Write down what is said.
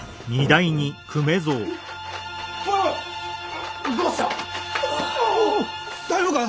大丈夫か？